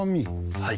はい。